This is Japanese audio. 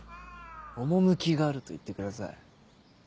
趣があると言ってください。